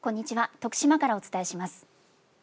徳島からお伝えします。